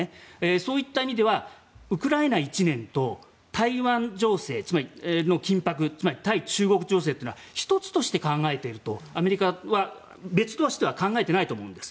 そういった意味ではウクライナ１年と台湾情勢つまり、対中国情勢は１つとして考えているとアメリカは別としては考えていないと思うんです。